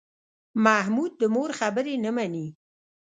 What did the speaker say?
محمود د مور خبرې نه مني.